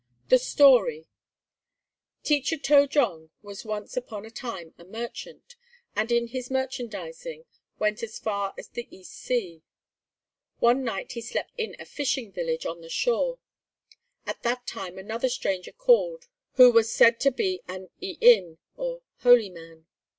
The Story Teacher To jong was once upon a time a merchant, and in his merchandising went as far as the East Sea. One night he slept in a fishing village on the shore. At that time another stranger called who was said to be an i in or "holy man."